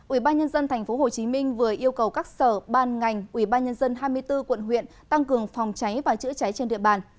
ubnd tp hcm vừa yêu cầu các sở ban ngành ubnd hai mươi bốn quận huyện tăng cường phòng cháy và chữa cháy trên địa bàn